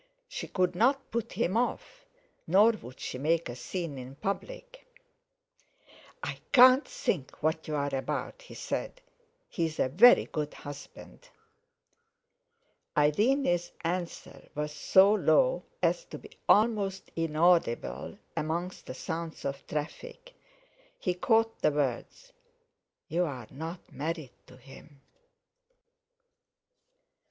She could not put him off; nor would she make a scene in public. "I can't think what you're about," he said. "He's a very good husband!" Irene's answer was so low as to be almost inaudible among the sounds of traffic. He caught the words: "You are not married to him!"